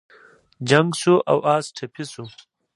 جنګ شو او اس ټپي شو.